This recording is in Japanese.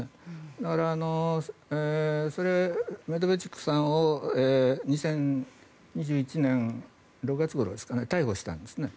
だから、メドベチュクさんを２０２１年６月ごろですかね逮捕したんですね。